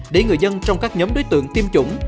để người dân trong các nhóm đối tượng tiêm chủng